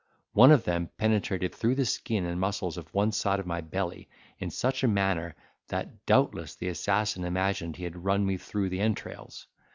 One of them penetrated through the skin and muscles of one side of my belly in such a manner, that doubtless the assassin imagined he had run me through the entrails.